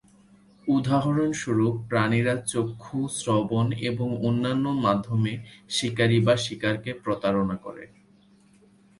উদাহরণস্বরূপ, প্রাণীরা চক্ষু, শ্রবণ এবং অন্যান্য মাধ্যমে শিকারী বা শিকারকে প্রতারণা করে।